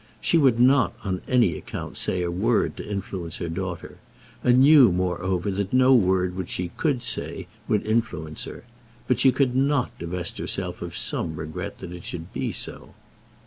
She would not, on any account, say a word to influence her daughter, and knew, moreover, that no word which she could say would influence her; but she could not divest herself of some regret that it should be so.